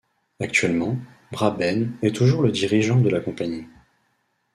Actuellement, Braben est toujours le dirigeant de la compagnie.